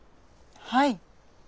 はい。